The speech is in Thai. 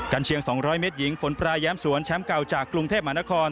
เชียง๒๐๐เมตรหญิงฝนปลายแย้มสวนแชมป์เก่าจากกรุงเทพมหานคร